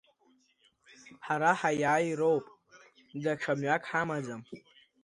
Ҳара ҳаиааироуп, даҽа мҩак ҳамаӡам…